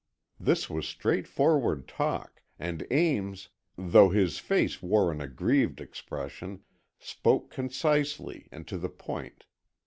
This was straightforward talk, and Ames, though his face wore an aggrieved expression, spoke concisely and to the point.